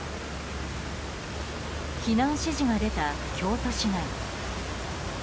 避難指示が出た京都市内。